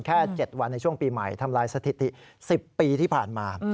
แค่๗วันในช่วงปีใหม่ทำลายสถิติ๑๐ปีที่ผ่านมา